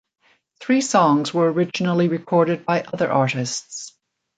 Three songs were originally recorded by other artists.